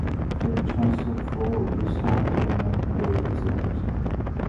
The chancel floor is home to many grave slabs.